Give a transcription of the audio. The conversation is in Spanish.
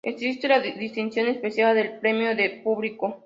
Existe la distinción especial del Premio del Público.